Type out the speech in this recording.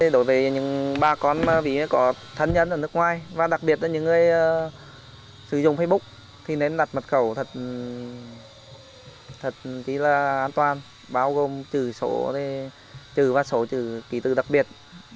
đối với những bà con có thân nhân ở nước ngoài và đặc biệt là những người sử dụng facebook thì nên đặt mật khẩu thật an toàn bao gồm trừ và sổ trừ kỳ từ đặc biệt